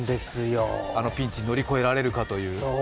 ピンチを乗り越えられるかという。